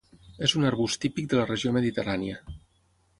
És un arbust típic de la regió mediterrània.